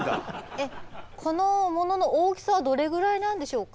えっこの物の大きさはどれぐらいなんでしょうか？